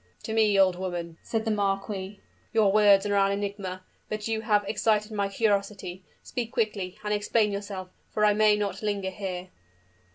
"To me, old woman," said the marquis, "your words are an enigma. But you have excited my curiosity: speak quickly, and explain yourself, for I may not linger here."